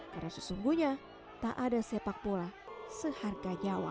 karena sesungguhnya tak ada sepak bola seharga nyawa